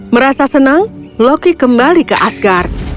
merasa senang loki kembali ke asgar